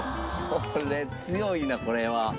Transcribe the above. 「これ強いなこれは」